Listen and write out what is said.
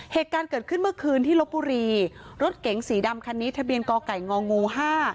เหตุการณ์เกิดขึ้นเมื่อคืนที่ลบบุรีรถเก๋งสีดำคันนี้ทะเบียนก่อไก่งองูห้า